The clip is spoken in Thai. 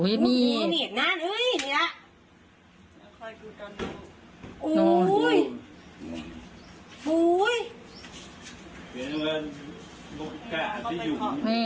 โอ้ยโอ้ยมีโอ้ยนี่นั่นอุ้ยนี่ล่ะ